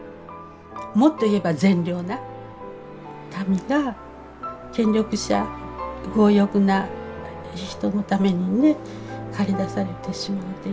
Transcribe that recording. もっと言えば善良な民が権力者強欲な人のためにね駆り出されてしまう。